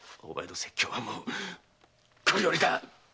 お前の説教はもうこりごりだ！